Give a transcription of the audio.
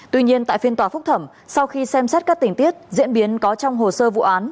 tuy nhiên tại phiên tòa phúc thẩm sau khi xem xét các tình tiết diễn biến có trong hồ sơ vụ án